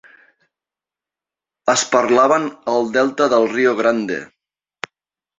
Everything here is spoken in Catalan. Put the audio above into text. Es parlaven al delta del Rio Grande.